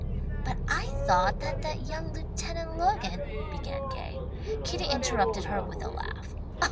"But I thought that that young Lieutenant Logan," began Gay. Kitty interrupted her with a laugh.